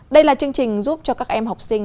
đây là chương trình giúp cho các em học sinh